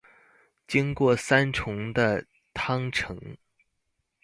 經過三重的湯城